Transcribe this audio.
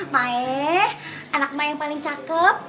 mae anak mae yang paling cakep